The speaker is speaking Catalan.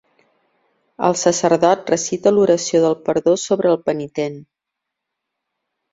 El sacerdot recita l'oració del perdó sobre el penitent.